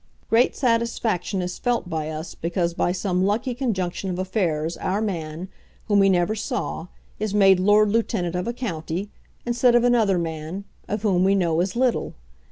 Great satisfaction is felt by us because by some lucky conjunction of affairs our man, whom we never saw, is made Lord Lieutenant of a county, instead of another man, of whom we know as little.